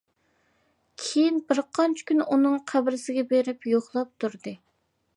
كېيىن بىرقانچە كۈن ئۇنىڭ قەبرىسىگە بېرىپ يوقلاپ تۇردى.